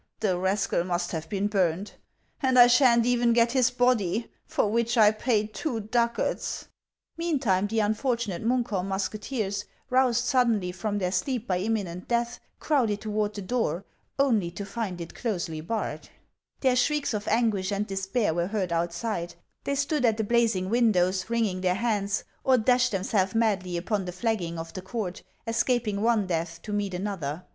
The rascal must have been burned ; and I sha'n't even get his body, for which I paid two ducats !" Meantime, the unfortunate Munkholm musketeers, roused suddenly from their sleep by imminent death, crowded toward the door only to find it closely barred. 520 HANS OF ICELAND. Their shrieks of anguish and despair were heard outside ; they stood at the blazing windows, wringing their hands, or dashed themselves madly upon the flagging of the court, escaping one death to meet another.